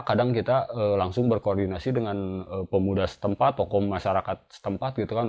kadang kita langsung berkoordinasi dengan pemuda setempat tokoh masyarakat setempat gitu kan